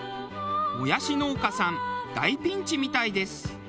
もやし農家さん大ピンチみたいです。